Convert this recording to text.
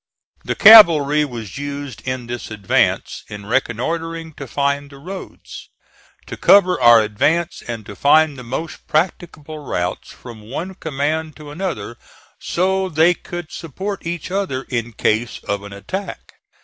The cavalry was used in this advance in reconnoitring to find the roads: to cover our advances and to find the most practicable routes from one command to another so they could support each other in case of an attack.